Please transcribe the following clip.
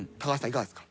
いかがですか？